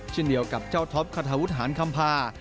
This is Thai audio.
เช่นเดียวกับเจ้าท็อปคาทาวุฒหารคำพา